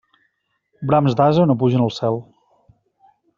Brams d'ase no pugen al cel.